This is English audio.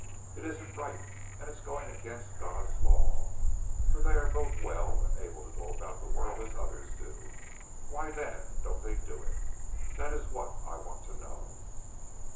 It isn't right, and it's going against God's laws, for they are both well and able to go about the world as others do. Why, then, don't they do it? That is what I want to know."